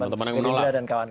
teman teman yang menolak